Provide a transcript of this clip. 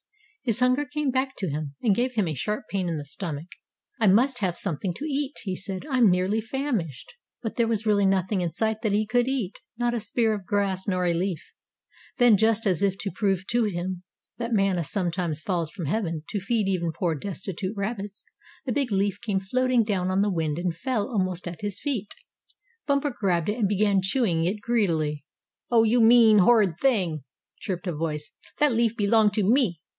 His hunger came back to him, and gave him a sharp pain in the stomach. "I must have something to eat," he said. "I'm nearly famished." But there was really nothing in sight that he could eat not a spear of grass nor a leaf. Then, just as if to prove to him that manna sometimes falls from heaven to feed even poor, destitute rabbits, a big leaf came floating down on the wind and fell almost at his feet. Bumper grabbed it, and began chewing it greedily. "Oh, you mean, horrid thing!" chirped a voice. "That leaf belonged to me.